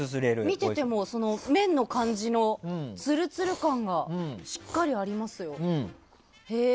見てても麺の感じのツルツル感がしっかりありますよ。